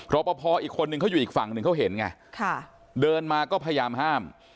รอปภอีกคนนึงเขาอยู่อีกฝั่งหนึ่งเขาเห็นไงเดินมาก็พยายามห้าม